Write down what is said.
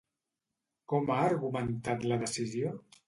Com ha argumentat la decisió?